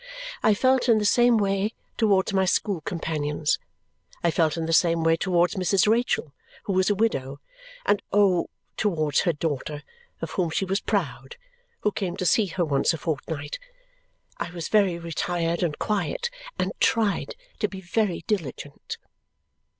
I felt in the same way towards my school companions; I felt in the same way towards Mrs. Rachael, who was a widow; and oh, towards her daughter, of whom she was proud, who came to see her once a fortnight! I was very retired and quiet, and tried to be very diligent.